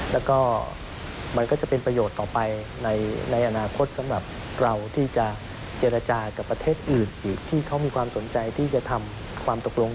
แล้วก็มันก็จะเป็นประโยชน์ต่อไปในอนาคตสำหรับเราที่จะเจรจากับประเทศอื่นอีกที่เขามีความสนใจที่จะทำความตกลง